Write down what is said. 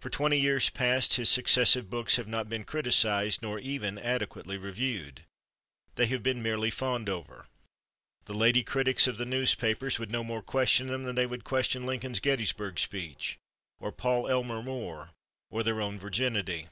For twenty years past his successive books have not been criticized, nor even adequately reviewed; they have been merely fawned over; the lady critics of the newspapers would no more question them than they would question Lincoln's Gettysburg speech, or Paul Elmer More, or their own virginity.